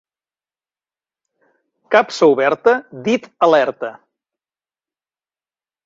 Capsa oberta, dit alerta.